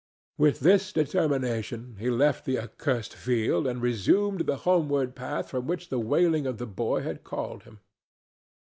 With this determination he left the accursed field and resumed the homeward path from which the wailing of the boy had called him.